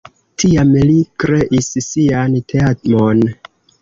Tiam li kreis sian teamon.